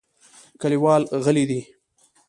کلیوال غلي دي .